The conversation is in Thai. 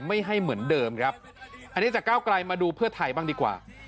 ไม่ให้เหมือนเดิมครับอันนี้จากก้าวไกลมาดูเพื่อไทยบ้างดีกว่า